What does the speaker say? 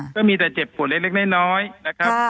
ก็มีแต่เจ็บปวดเล็กน้อยนะครับ